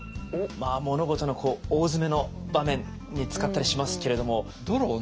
物事の大詰めの場面に使ったりしますけれども。